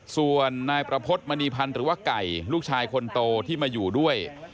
ส่วนนายประพฤติมณีพันธ์หรือว่าไก่ลูกชายคนโตที่มาอยู่ด้วย